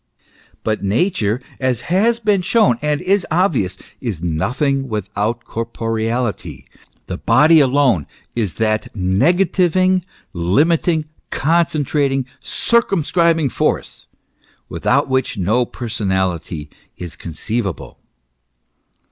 But Nature, as has been shown and is obvious, is nothing without corporeality. The body alone is that nega tiving, limiting, concentrating, circumscribing force, without which no personality is conceivable.